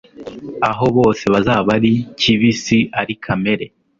aho bose bazaba ari kibisi ari kamere